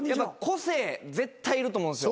個性絶対いると思うんですよ。